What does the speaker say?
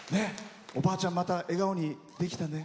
おばあちゃんまた笑顔にできたね。